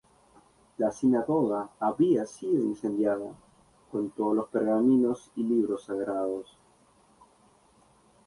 La sinagoga había sido incendiada, con todos los pergaminos y libros sagrados.